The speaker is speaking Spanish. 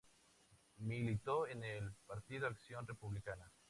Militó en el partido Acción Republicana.